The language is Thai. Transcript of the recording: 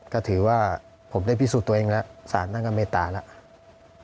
ก็ถือว่าผมได้พิสูจน์ตัวเองแล้วสารท่านก็เมตตาแล้ว